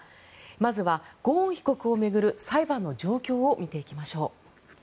まずはゴーン被告を巡る裁判の状況を見ていきましょう。